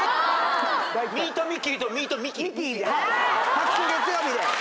隔週月曜日で。